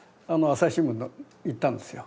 朝日新聞行ったんですか？